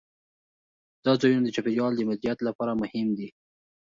دا ځایونه د چاپیریال د مدیریت لپاره مهم دي.